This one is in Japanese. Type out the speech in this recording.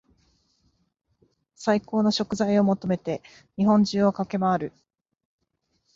最高の食材を求めて日本中を駆け回る